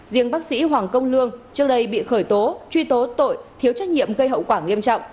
riêng bác sĩ hoàng công lương trước đây bị khởi tố truy tố tội thiếu trách nhiệm gây hậu quả nghiêm trọng